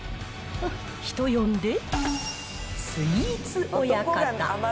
人呼んで、スイーツ親方。